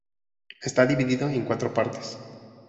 Está dividido en cuatro partes.